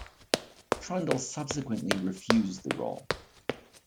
Trundle subsequently refused the role.